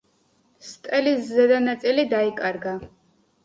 სტელის ზედა ნაწილი დაიკარგა.